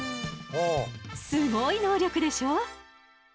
すごい能力でしょ？